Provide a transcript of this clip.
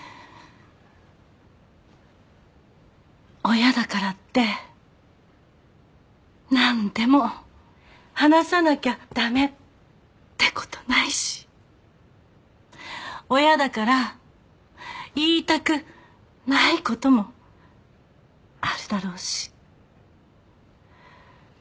親だからって何でも話さなきゃ駄目ってことないし親だから言いたくないこともあるだろうし。